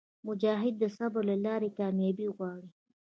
مجاهد د صبر له لارې کاميابي غواړي.